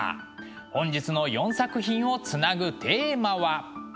本日の４作品をつなぐテーマは。